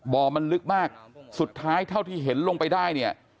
บ่อมันลึกมากสุดท้ายเท่าที่เห็นลงไปได้เนี่ย